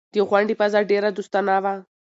د غونډې فضا ډېره دوستانه وه.